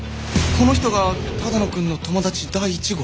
この人が只野くんの友達第１号？